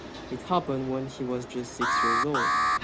It happened when he was just six years old.